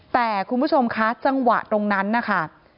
แต่คุณผู้ชมคะจังหวะตรงนั้นนะคะ